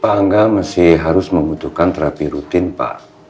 pak angga masih harus membutuhkan terapi rutin pak